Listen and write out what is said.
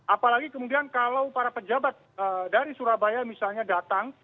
apalagi kemudian kalau para pejabat dari surabaya misalnya datang